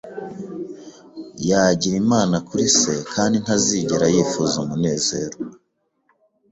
Yagira Imana kuri se kandi ntazigera yifuza umunezero